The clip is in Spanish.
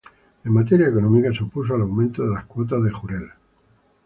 En materia económica, se opuso al aumento de las cuotas de jurel.